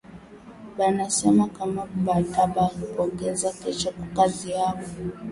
Bana sema kama batabapokeza kesho kukazi yabo